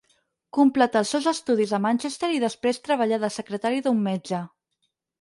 Completà els seus estudis a Manchester i després treballà de secretari d'un metge.